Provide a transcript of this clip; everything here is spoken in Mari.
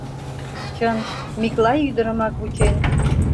Чын, Миклай ӱдырымак вучен.